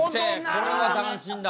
これは斬新だ。